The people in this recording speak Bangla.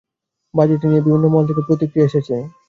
বাজেটে নিয়ে বিভিন্ন মহল থেকে প্রতিক্রিয়া এসেছে।